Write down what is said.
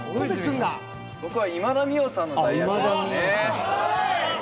僕は今田美桜さんの代役です。